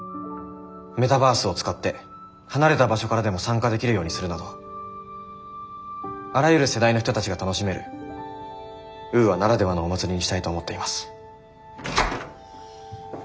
メタバースを使って離れた場所からでも参加できるようにするなどあらゆる世代の人たちが楽しめるウーアならではのお祭りにしたいと思っています。